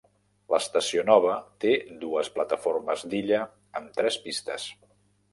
L'estació nova té dues plataformes d'illa amb tres pistes.